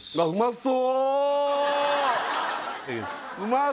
うまそう？